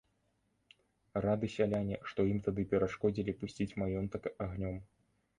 Рады сяляне, што ім тады перашкодзілі пусціць маёнтак агнём.